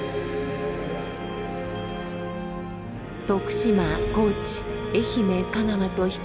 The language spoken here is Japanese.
徳島高知愛媛香川と一